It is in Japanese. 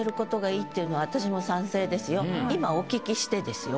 今お聞きしてですよ。